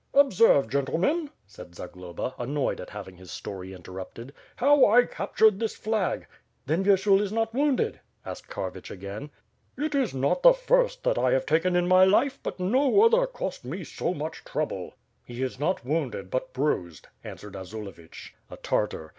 "Observe, gentlemen," said Zagloba, annoyed at having his story interrupted, "how I captured this flag. ..." "Then Vyershul is not wounded," asked Karvich again. "It is not the first that I have taken in my life, but no other cost me so much trouble." "He is not wounded, but bruised," answered Azulevich, a Tartar, ..